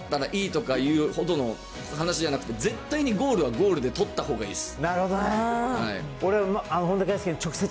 そんな入らなかったらいいとかいうほどの話じゃなくて、絶対にゴールはゴールで取ったほうがいいです。